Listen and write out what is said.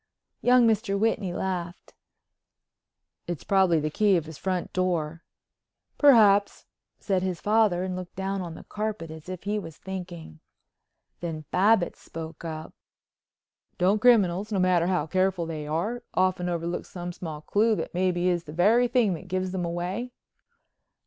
Young Mr. Whitney laughed. "It's probably the key of his front door." "Perhaps," said his father, and looked down on the carpet as if he was thinking. Then Babbitts spoke up: "Don't criminals, no matter how careful they are, often overlook some small clew that maybe is the very thing that gives them away?"